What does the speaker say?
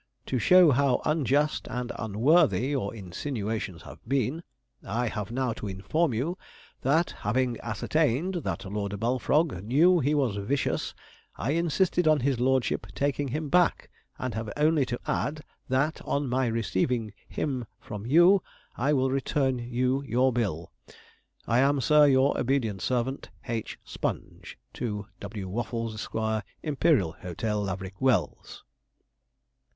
To show how unjust and unworthy your insinuations have been, I have now to inform you that, having ascertained that Lord Bullfrog knew he was vicious, I insisted on his lordship taking him back, and have only to add that, on my receiving him from you, I will return you your bill.' 'I am, Sir, your obedient servant, 'H. SPONGE. 'To W. WAFFLES, Esq., 'Imperial Hotel, Laverick Wells.'